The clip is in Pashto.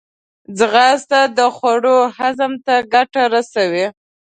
ځغاسته د خوړو هضم ته ګټه رسوي